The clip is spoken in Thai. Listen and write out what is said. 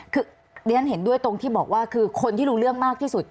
คือเรียนเห็นด้วยตรงที่บอกว่าคือคนที่รู้เรื่องมากที่สุด